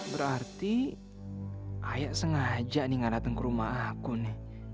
berarti ayah sengaja nih ngaraten ke rumah aku nih